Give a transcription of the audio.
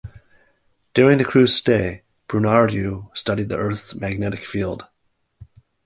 During the crew's stay, Prunariu studied the Earth's magnetic field.